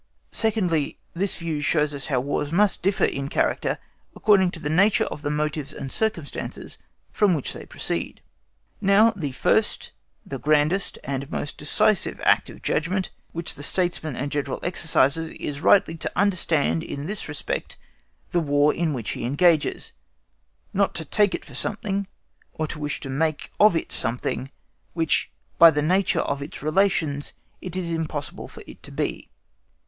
Secondly, this view shows us how Wars must differ in character according to the nature of the motives and circumstances from which they proceed. Now, the first, the grandest, and most decisive act of judgment which the Statesman and General exercises is rightly to understand in this respect the War in which he engages, not to take it for something, or to wish to make of it something, which by the nature of its relations it is impossible for it to be.